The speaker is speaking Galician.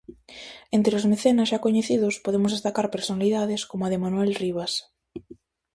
Entre os mecenas xa coñecidos, podemos destacar personalidades como a de Manuel Rivas.